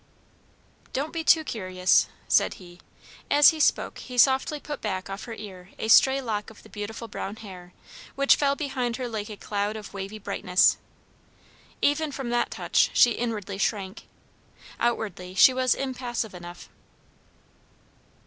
"Don't be too curious," said he. As he spoke, he softly put back off her ear a stray lock of the beautiful brown hair, which fell behind her like a cloud of wavy brightness. Even from that touch she inwardly shrank; outwardly she was impassive enough.